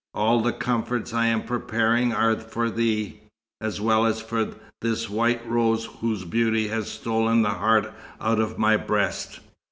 All the comforts I am preparing are for thee, as well as for this white rose whose beauty has stolen the heart out of my breast."